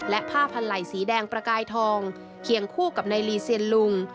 และผ้าพันไหล่สีแดงประกายทองเคียงคู่กับในลีเซียนลุง